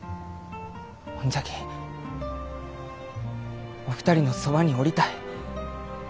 ほんじゃきお二人のそばにおりたい。